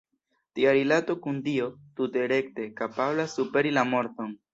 Tia rilato kun Dio tute rekte kapablas superi la morton.